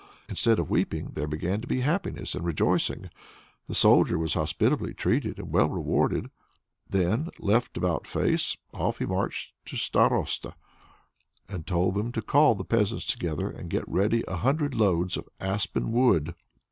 Instead of weeping there began to be happiness and rejoicing; the Soldier was hospitably treated and well rewarded. Then left about, face! off he marched to the Starosta, and told him to call the peasants together and to get ready a hundred loads of aspen wood.